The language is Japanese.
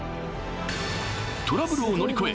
トラブルを乗り越え